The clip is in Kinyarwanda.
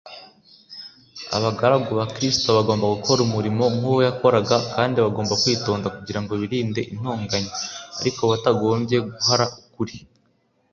abagaragu ba kristo bagomba gukora umurimo nk’uwo yakoraga, kandi bagomba kwitonda, kugira ngo birinde intonganya ariko batagombye guhara ukuri